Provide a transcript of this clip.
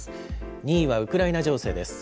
２位はウクライナ情勢です。